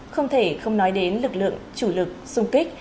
không thể không nói đến lực lượng chủ lực sung kích